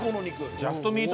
ジャストミート。